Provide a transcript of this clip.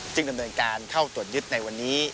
ดำเนินการเข้าตรวจยึดในวันนี้